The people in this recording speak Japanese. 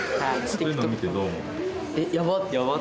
そういうのを見てどう思う？